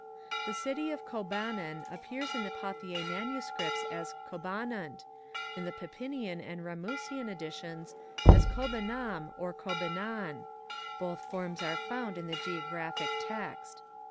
The city of Koh banan appears in the Pauthier MSS. as Cabanani, in the Pipinian and Ramusian editions as Cobinam or Cobinan. Both forms are found in the Geographic Text.